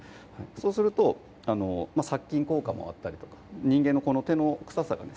そうすると殺菌効果もあったりとか人間のこの手の臭さがね